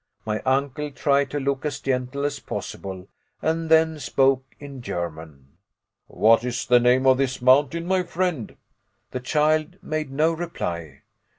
My uncle tried to look as gentle as possible, and then spoke in German. "What is the name of this mountain, my friend?" The child made no reply.